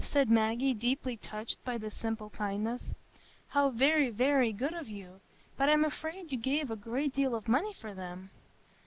said Maggie, deeply touched by this simple kindness. "How very, very good of you! But I'm afraid you gave a great deal of money for them."